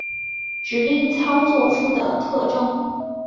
指令操作数的特征